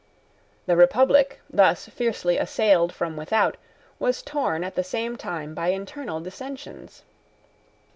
The Republic, thus fiercely assailed from without, was torn at the same time by internal dissensions.